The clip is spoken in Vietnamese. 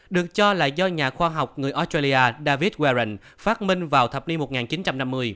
được cho là do nhà khoa học người australia david warren phát minh vào thập niên một nghìn chín trăm năm mươi